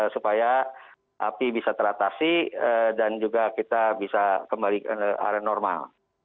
supaya api bisa teratasi dan juga kita bisa kembali ke area normal